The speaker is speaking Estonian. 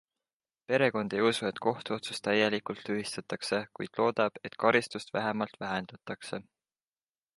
Perekond ei usu, et kohtuotsus täielikult tühistatakse, kuid loodab, et karistust vähemalt vähendatakse.